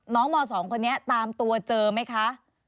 ม๒คนนี้ตามตัวเจอไหมคะ